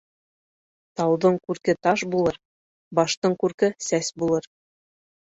Тауҙың күрке таш булыр, баштың күрке сәс булыр.